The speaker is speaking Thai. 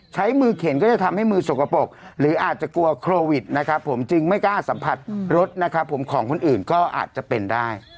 ใช้มือเข็นก็จะทำให้มือสกปรกหรืออาจจะกลัวโควิดนะครับผมจึงไม่กล้าสัมผัสรถนะครับผมของคนอื่นก็อาจจะเป็นได้